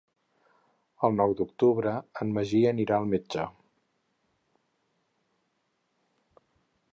El nou d'octubre en Magí anirà al metge.